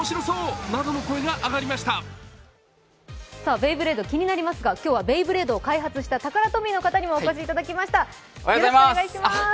ベイブレード、気になりますが、開発したタカラトミーの方にもお越しいただきました。